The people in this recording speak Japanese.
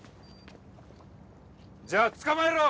じゃあ捕まえろ！